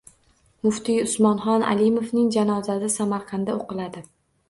Muftiy Usmonxon Alimovning janozasi Samarqandda o‘qiladi